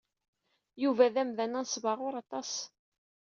Yuba d amdan anesbaɣur aṭas.